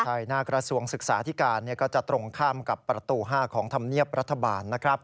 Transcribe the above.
ใช่หน้ากระทรวงศึกษาที่การก็จะตรงข้ามกับประตู๕ของธรรมเนียบรัฐบาลนะครับ